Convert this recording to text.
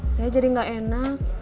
saya jadi nggak enak